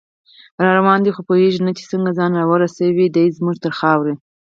راروان دی خو پوهیږي نه چې څنګه، ځان راورسوي دی زمونږ تر خاورې